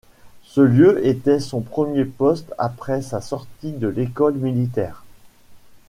Ce lieu était son premier poste après sa sortie de l'école militaire.